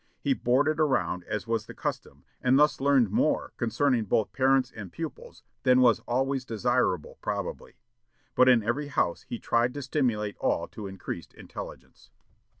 He "boarded around," as was the custom, and thus learned more concerning both parents and pupils than was always desirable, probably; but in every house he tried to stimulate all to increased intelligence.